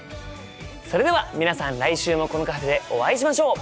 それでは皆さん来週もこのカフェでお会いしましょう！